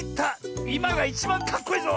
いまがいちばんかっこいいぞ！